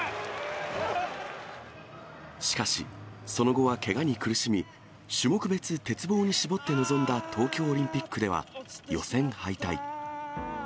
しかし、その後はけがに苦しみ、種目別、鉄棒に絞って臨んだ東京オリンピックでは、予選敗退。